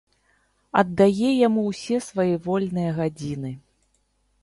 Аддае яму ўсе свае вольныя гадзіны.